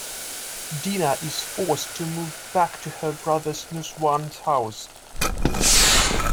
Dina is forced to move back to her brother Nusswan's house.